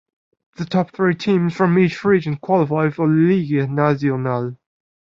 The top three teams from each region qualify for the Liguilla Nacional.